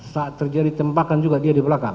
saat terjadi tembakan juga dia di belakang